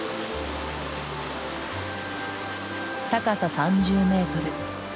高さ３０メートル。